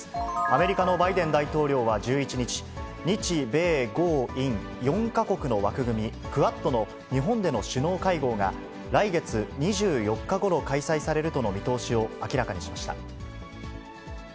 アメリカのバイデン大統領は１１日、日米豪印４か国の枠組み、クアッドの日本での首脳会合が、来月２４日ごろ、開催されるとの見通しを明らかにしました。